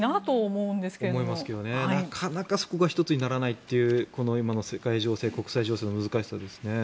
思いますけど、なかなかそこが１つにならないというこの今の世界情勢、国際情勢の難しさですね。